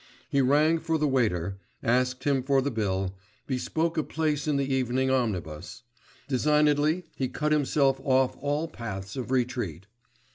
He rang for the waiter, asked him for the bill, bespoke a place in the evening omnibus; designedly he cut himself off all paths of retreat.